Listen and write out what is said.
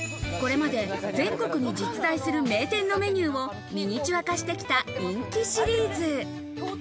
これまで全国に実在する名店のメニューをミニチュア化してきた人気シリーズ。